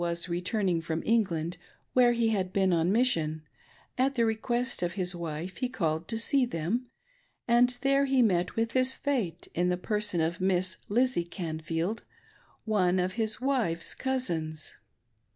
was returning from England, where he had been on mission, at the request of his wife he called to see them, and there he met with his fate in the person of Miss Lizzie Canfield — one of his wife's cousins.